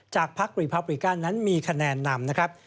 จากภักดีโปรบิกานั้นมีคะแนนนำ